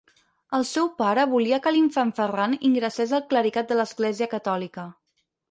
El seu pare volia que l'infant Ferran ingressés al clericat de l'Església Catòlica.